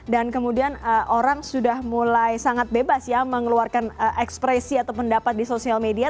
dan kemudian orang sudah mulai sangat bebas ya mengeluarkan ekspresi atau pendapat di sosial media